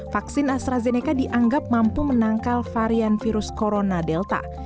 vaksin astrazeneca dianggap mampu menangkal varian virus corona delta